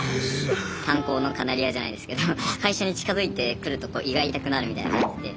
「炭鉱のカナリア」じゃないですけど会社に近づいてくると胃が痛くなるみたいな感じで。